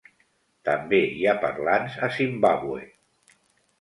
També hi ha parlants a Zimbàbue.